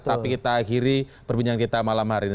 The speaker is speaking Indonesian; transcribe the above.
tapi kita akhiri perbincangan kita malam hari ini